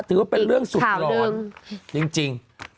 ถือว่าเป็นเรื่องสุดหลอนจริง